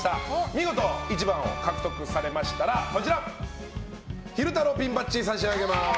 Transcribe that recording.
見事１番を獲得されましたら昼太郎ピンバッジ差し上げます。